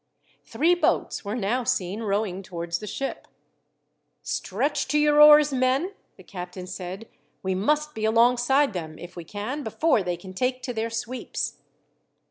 Three boats were now seen rowing towards the ship. "Stretch to your oars, men," the captain said. "We must be alongside them, if we can, before they can take to their sweeps."